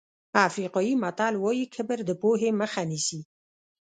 افریقایي متل وایي کبر د پوهې مخه نیسي.